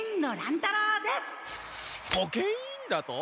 保健委員だと？